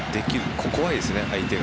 怖いですね、相手が。